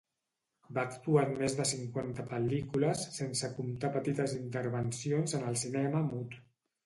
Va actuar en més de cinquanta pel·lícules, sense comptar petites intervencions en el cinema mut.